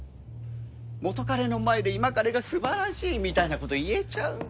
元カレの前で今カレが素晴らしいみたいなこと言えちゃうんだ。